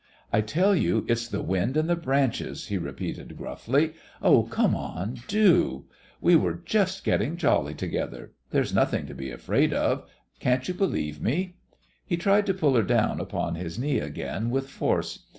"I tell you it's the wind in the branches," he repeated gruffly. "Oh, come on, do. We were just getting jolly together. There's nothing to be afraid of. Can't you believe me?" He tried to pull her down upon his knee again with force.